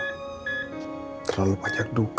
orang kecil selalu punya bisnis mocok